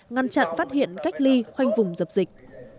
ngăn chặn phát hiện cách ly khoanh vùng dập dịch